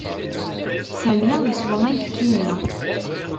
Sami yeswa ayefki-nni.